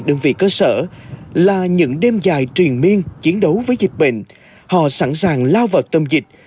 đơn vị cơ sở là những đêm dài truyền miên chiến đấu với dịch bệnh họ sẵn sàng lao vào tâm dịch